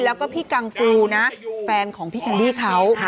แล้วก็พี่กังฟูนะแฟนของพี่แคนดี้เขา